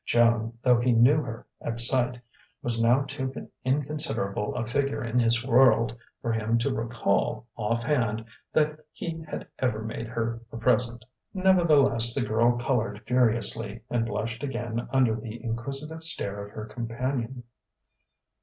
Joan, though he knew her at sight, was now too inconsiderable a figure in his world for him to recall, off hand, that he had ever made her a present. Nevertheless the girl coloured furiously, and blushed again under the inquisitive stare of her companion.